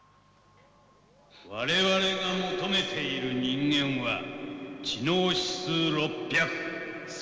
「我々が求めている人間は知能指数６００スポーツ万能の男。